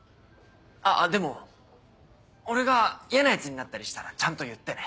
あっでも俺が嫌なヤツになったりしたらちゃんと言ってね。